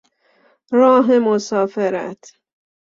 راه مسافرت